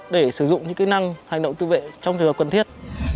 để sử dụng những kỹ năng hành động tự vệ trong thời gian quần thiết